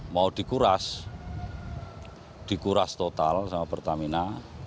mau dikuras dikuras total sama pertamina